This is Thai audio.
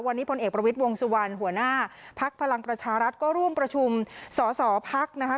วันนี้พลเอกประวิทย์วงสุวรรณหัวหน้าภักดิ์พลังประชารัฐก็ร่วมประชุมสอสอพักนะคะ